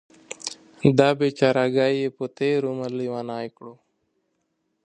دا بیچارګۍ یې په تېر عمر لیونۍ کړه.